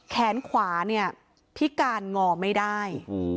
แขนขวาพิการหง่อไม่ได้